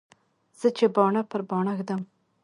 زه چې باڼه پر باڼه ږدم.